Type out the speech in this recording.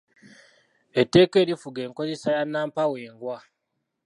Etteeka erifuga enkozesa ya nnampawengwa.